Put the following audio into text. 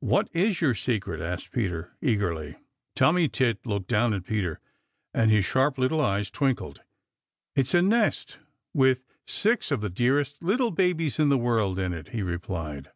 "What is your secret?" asked Peter eagerly. Tommy Tit looked down at Peter, and his sharp little eyes twinkled. "It's a nest with six of the dearest little babies in the world in it," he replied.